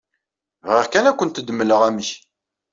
Bɣiɣ kan ad kent-d-mmleɣ amek.